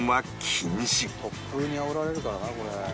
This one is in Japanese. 突風にあおられるからなこれ。